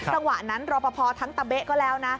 จังหวะนั้นรอปภทั้งตะเบ๊ะก็แล้วนะ